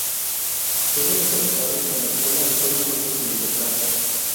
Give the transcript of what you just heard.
Todos los arrestados en la escuela fueron puestos en libertad.